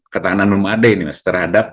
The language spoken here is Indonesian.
ketahanan belum ada ini mas terhadap eee